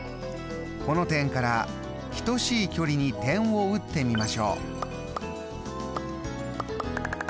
この点から等しい距離に点を打ってみましょう。